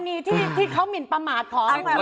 กรณีที่เขามีประมาทผด